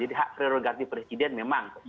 jadi hak prerogatif presiden memang